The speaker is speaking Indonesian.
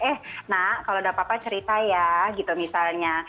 eh nak kalau udah papa cerita ya gitu misalnya